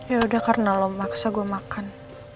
ya udah karena lo maksa gue makan